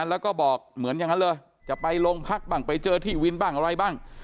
แล้วก็บอกเหมือนอย่างนั้นเลยจะไปโรงพักบ้างไปเจอที่วินบ้างอะไรบ้าง